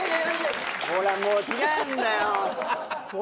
ほらもう違うんだよ。